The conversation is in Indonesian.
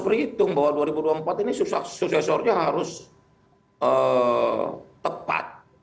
kita harus perhitung bahwa dua ribu dua puluh empat ini suksesornya harus tepat